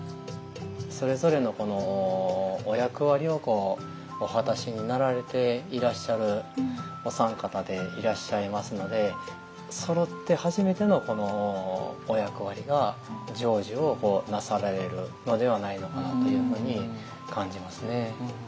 それぞれのこのお役割をお果たしになられていらっしゃるお三方でいらっしゃいますのでそろって初めてのこのお役割が成就をなされるのではないのかなというふうに感じますね。